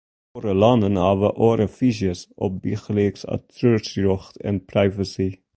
Oare lannen hawwe oare fyzjes op bygelyks auteursrjocht en privacy.